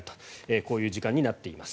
こういう時間になっています。